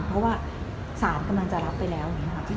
เพราะว่าสารกำลังจะรับไปแล้ว